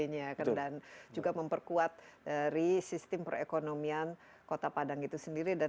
nya dan juga memperkuat dari sistem perekonomian kota padang itu sendiri dan